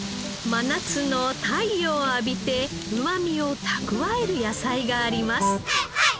真夏の太陽を浴びてうまみを蓄える野菜があります。